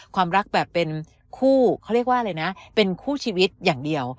ความรักแบบเป็นคู่เขาเรียกว่าอะไรนะเป็นคู่ชีวิตอย่างเดียว